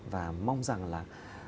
và mong rằng là